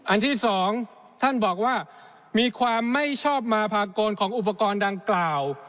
อันที่สองท่านบอกว่ามีความไม่ชอบมาภากลของอุปกรณ์ดังกล่าว